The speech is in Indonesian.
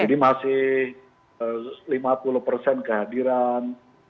jadi masih lima puluh kehadiran